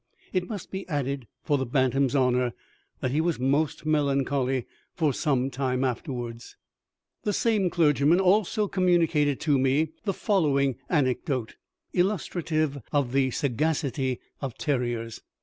It must be added for the bantam's honour, that he was most melancholy for some time afterwards." The same clergyman also communicated to me the following anecdote illustrative of the sagacity of terriers.